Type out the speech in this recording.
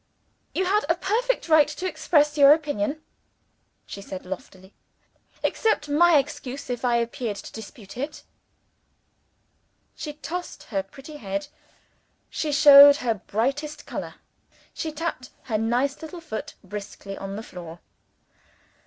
"You had a perfect right to express your opinion," she said loftily. "Accept my excuses if I appeared to dispute it." She tossed her pretty head; she showed her brightest color; she tapped her nice little foot briskly on the floor.